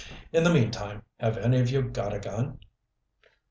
"In the meantime, have any of you got a gun?"